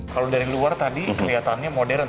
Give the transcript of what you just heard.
kalau dari luar tadi kelihatannya modern